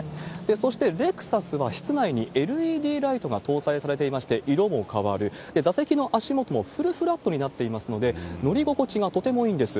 そしてレクサスは、室内にＬＥＤライトが搭載されていまして、色も変わる、座席の足元もフルフラットになっていますので、乗り心地がとてもいいんです。